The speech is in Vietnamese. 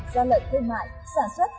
gian lận thương mại xạ xuất